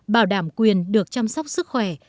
bảo đảm quyền được chăm sóc sức khỏe